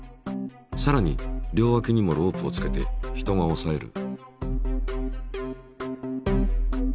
さらに両わきにもロープをつけて人がおさえる。